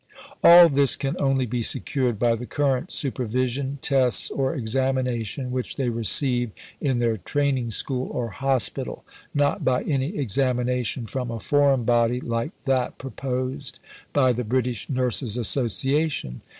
All this can only be secured by the current supervision, tests, or examination which they receive in their training school or hospital, not by any examination from a foreign body like that proposed by the British Nurses Association.